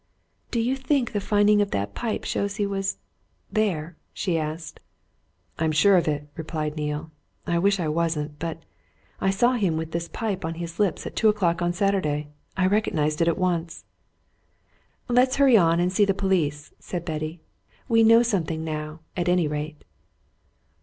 "Do you think the finding of that pipe shows he was there?" she asked. "I'm sure of it," replied Neale. "I wish I wasn't. But I saw him with this pipe in his lips at two o'clock on Saturday! I recognized it at once." "Let's hurry on and see the police," said Betty. "We know something now, at any rate."